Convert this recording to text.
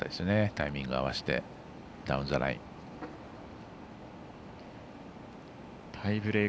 タイミング合わせてダウンザライン。